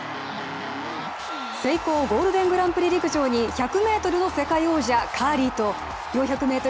セイコーゴールデングランプリ陸上に１００ｍの世界王者・カーリーと４００ｍ